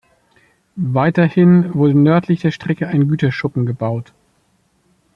Weiterhin wurde nördlich der Strecke ein Güterschuppen gebaut.